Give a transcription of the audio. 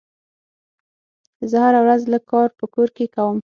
زه هره ورځ لږ کار په کور کې کوم.